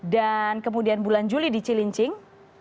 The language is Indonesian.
dan kemudian bulan juli di cilincing